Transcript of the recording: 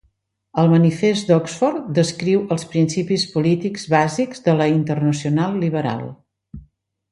El Manifest d'Oxford descriu els principis polítics bàsics de la Internacional Liberal.